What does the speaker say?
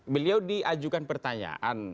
beliau diajukan pertanyaan